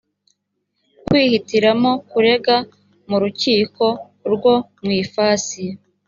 kwihitiramo kurega mu rukiko rwo mu ifasi